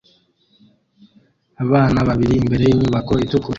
Abana babiri imbere yinyubako itukura